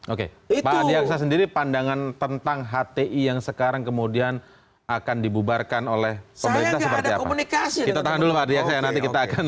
oke itu sendiri pandangan tentang hti yang sekarang kemudian akan dibubarkan oleh komunikasi kita akan